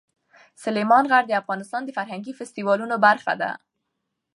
سلیمان غر د افغانستان د فرهنګي فستیوالونو برخه ده.